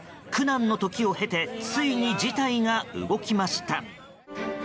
苦難の時を経てついに事態が動きました。